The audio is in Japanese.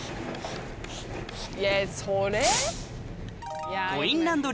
いやそれ？